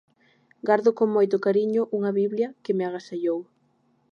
Gardo con moito cariño unha Biblia que me agasallou.